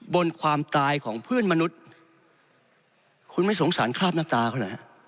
บนความตายของเพื่อนมนุษย์คุณไม่สงสารคราบหน้าตาเขาเหรอฮะ